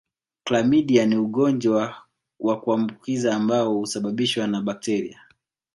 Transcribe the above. Klamidia ni ugonjwa wa kuambukiza ambao husababishwa na bakteria